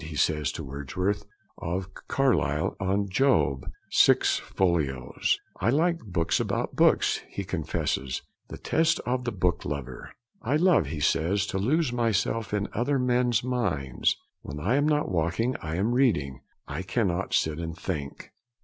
he says to Wordsworth, of Caryl on Job, six folios. 'I like books about books,' he confesses, the test of the book lover. 'I love,' he says, 'to lose myself in other men's minds. When I am not walking, I am reading; I cannot sit and think.